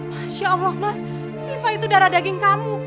masya allah mas siva itu darah daging kamu